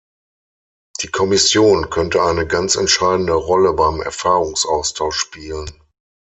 Die Kommission könnte eine ganz entscheidende Rolle beim Erfahrungsaustausch spielen.